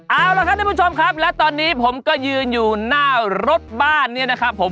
เอาล่ะครับทุกผู้ชมครับและตอนนี้ผมก็ยืนอยู่หน้ารถบ้านเนี่ยนะครับผม